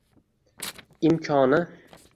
imkoni.